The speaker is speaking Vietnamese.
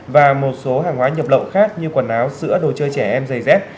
và một số hàng hóa nhập lậu khác như quần áo sữa đồ chơi trẻ em giày dép